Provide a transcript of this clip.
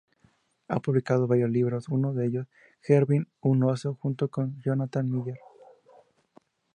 Ha publicado varios libros, uno de ellos, "Hervir un Oso" junto con Jonathan Millán.